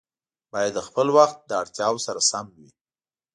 باید د خپل وخت له اړتیاوو سره سم وي.